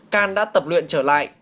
kan đã tập luyện trở lại